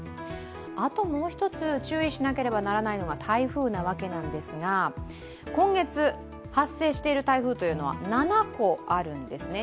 あともう一つ、注意しなければならないのが台風ですが、今月発生している台風は７個あるんですね。